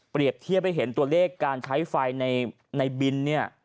เทียบให้เห็นตัวเลขการใช้ไฟในบินเนี่ย